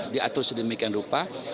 diatur sedemikian rupa